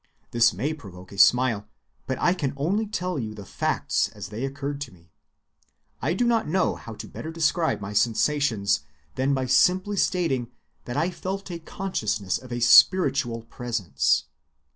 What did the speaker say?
This may provoke a smile, but I can only tell you the facts as they occurred to me. I do not know how to better describe my sensations than by simply stating that I felt a consciousness of a spiritual presence....